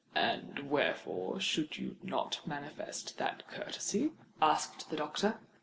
"And wherefore should you not manifest that courtesy?" asked the doctor.